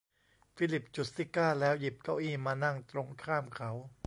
ฟิลิปจุดซิการ์แล้วหยิบเก้าอี้มานั่งตรงข้ามเขา